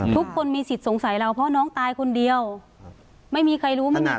ทุกคนมีสิทธิ์สงสัยเราเพราะน้องตายคนเดียวไม่มีใครรู้ไม่มีใคร